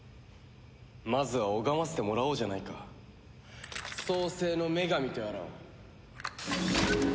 まずは拝ませてもらおうじゃないか創世の女神とやらを。